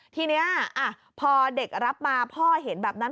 ทีนี้พอเด็กรับมาพ่อเห็นแบบนั้น